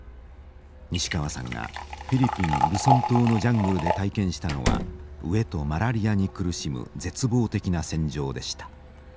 西川さんがフィリピン・ルソン島のジャングルで体験したのは飢えとマラリアに苦しむ絶望的な戦場でした。